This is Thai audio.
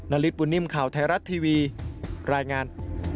นริสปุ่นนิ่มข่าวไทยรัฐทีวีรายงาน